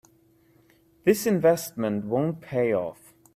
This investment won't pay off.